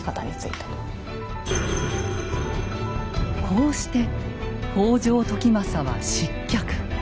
こうして北条時政は失脚。